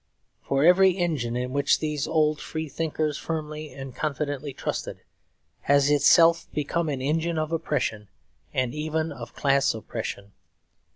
For every engine in which these old free thinkers firmly and confidently trusted has itself become an engine of oppression and even of class oppression.